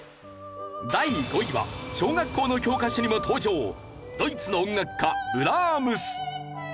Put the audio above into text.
第５位は小学校の教科書にも登場ドイツの音楽家ブラームス。